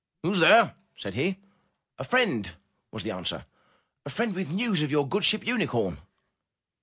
^Who^s there?" said he. *'A friend,'' was the answer. *'A friend with news of your good ship ^Unicorn.'